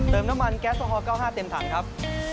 น้ำมันแก๊สโอฮอล๙๕เต็มถังครับ